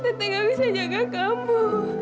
teteh nggak bisa jaga kamu